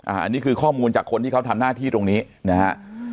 อันนี้คือข้อมูลจากคนที่เขาทำหน้าที่ตรงนี้นะฮะ